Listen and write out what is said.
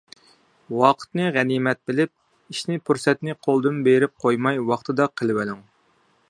ۋاقىتنى غەنىيمەت بىلىپ، ئىشنى پۇرسەتنى قولدىن بېرىپ قويماي ۋاقتىدا قىلىۋېلىڭ.